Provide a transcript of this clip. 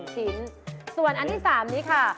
ชิ้นส่วนอันที่๓นี้ค่ะ